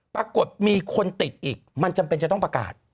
ปรากฏมีคนติดอีกมันจำเป็นจะต้องประกาศ